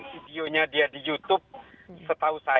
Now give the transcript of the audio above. videonya dia di youtube